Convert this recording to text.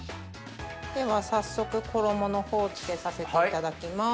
では早速衣の方をつけさせていただきます。